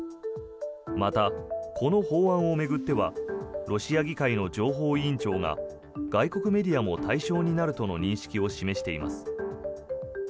また、この法案を巡ってはロシア議会の情報委員長が外国メディアも対象になるとの認識を示しています。